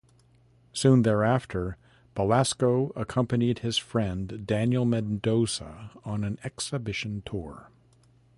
Soon thereafter Belasco accompanied his friend Daniel Mendoza on an exhibition tour.